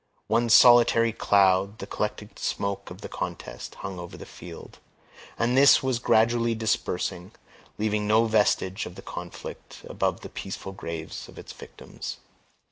One solitary cloud, the collected smoke of the contest, hung over the field; and this was gradually dispersing, leaving no vestige of the conflict above the peaceful graves of its victims.